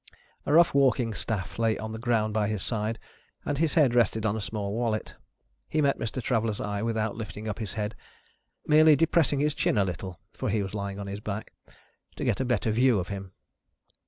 A rough walking staff lay on the ground by his side, and his head rested on a small wallet. He met Mr. Traveller's eye without lifting up his head, merely depressing his chin a little (for he was lying on his back) to get a better view of him.